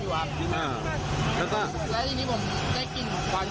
มีความรู้สึกว่าเกิดอะไรขึ้น